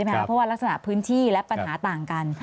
เพราะว่ารักษณะพื้นที่และปัญหาต่างกัน